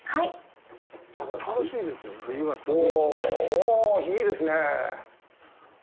おぉ、いいですね。